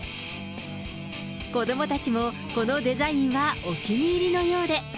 子どもたちもこのデザインはお気に入りのようで。